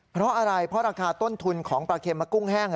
เพราะอะไรเพราะราคาต้นทุนของปลาเค็มมะกุ้งแห้ง